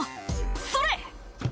「それ！」